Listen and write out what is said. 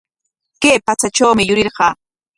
Kay patsatrawmi yurirqaa.